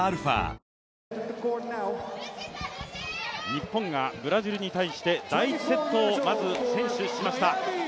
日本がブラジルに対して第１セットをまず先取しました。